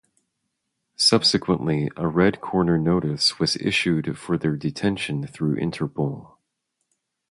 Subsequently a red-corner notice was issued for their detention through Interpol.